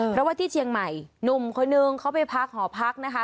เพราะว่าที่เชียงใหม่หนุ่มคนนึงเขาไปพักหอพักนะคะ